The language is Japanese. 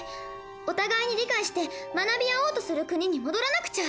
お互いに理解して学び合おうとする国に戻らなくちゃ。